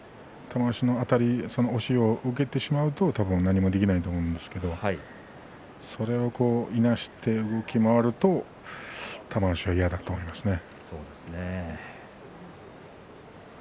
玉鷲のあたりを受けてしまうと多分何もできないと思うんですけどそれをいなして動き回ると玉鷲は嫌だと思いますね。